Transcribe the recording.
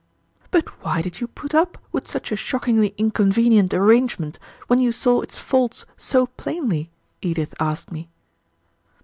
"But why did you put up with such a shockingly inconvenient arrangement when you saw its faults so plainly?" Edith asked me.